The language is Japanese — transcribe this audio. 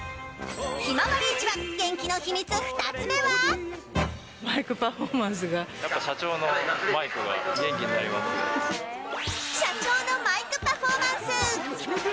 ひまわり市場元気な秘密二つ目は社長のマイクパフォーマンス。